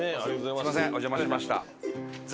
すいませんお邪魔しました。